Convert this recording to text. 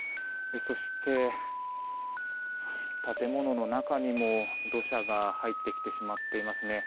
そして、建物の中にも土砂が入ってきてしまっていますね。